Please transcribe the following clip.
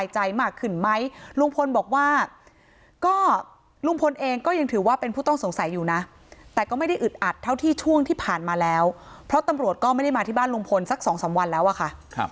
ลุงพลบอกว่าก็ลุงพลเองก็ยังถือว่าเป็นผู้ต้องสงสัยอยู่นะแต่ก็ไม่ได้อึดอัดเท่าที่ช่วงที่ผ่านมาแล้วเพราะตำรวจก็ไม่ได้มาที่บ้านลุงพลสักสองสามวันแล้วอะค่ะ